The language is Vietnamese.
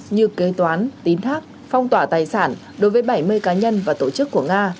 như kế toán tín thác phong tỏa tài sản đối với bảy mươi cá nhân và tổ chức của nga